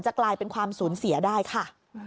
กลายเป็นความสูญเสียได้ค่ะ